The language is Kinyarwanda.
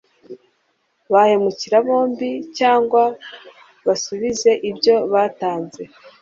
Bahemukira bombi cyangwa basubize ibyo batanze